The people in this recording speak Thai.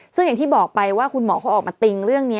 ซึ่งอย่างที่บอกไปว่าคุณหมอเขาออกมาติ้งเรื่องนี้